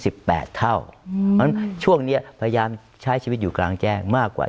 เพราะฉะนั้นช่วงนี้พยายามใช้ชีวิตอยู่กลางแจ้งมากกว่า